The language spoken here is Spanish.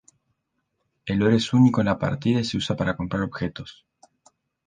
El oro es único en la partida y se usa para comprar objetos.